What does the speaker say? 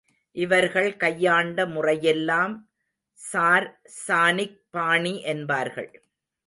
இவர்கள் கையாண்ட முறையெல்லாம் சார் சானிக் பாணி என்பார்கள்.